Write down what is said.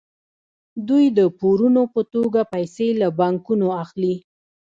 دوی د پورونو په توګه پیسې له بانکونو اخلي